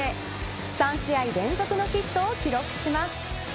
３試合連続のヒットを記録します。